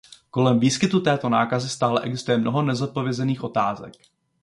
Kolem výskytu této nákazy stále existuje mnoho nezodpovězených otázek.